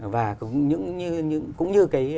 và cũng như cái